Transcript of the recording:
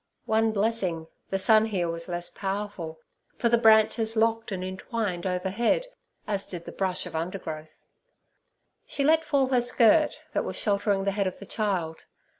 One blessing, the sun here was less powerful, for the branches locked and entwined overhead, as did the brush of undergrowth. She let fall her skirt, that was sheltering the head of the child.